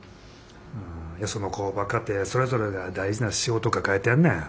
よその工場かてそれぞれが大事な仕事抱えてんねん。